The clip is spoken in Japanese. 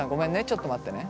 ちょっと待ってね。